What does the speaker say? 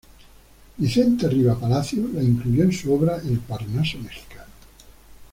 Vicente Riva Palacio la incluyó en su obra "El parnaso mexicano".